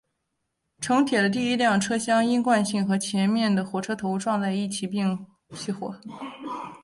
城铁的第一辆车厢因惯性和前面的火车头撞到一起并起火。